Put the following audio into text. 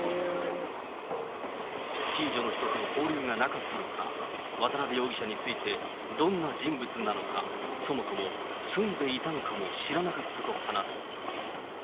近所の人との交流がなかったのか、渡辺容疑者について、どんな人物なのか、そもそも住んでいたのかも知らなかったと話す。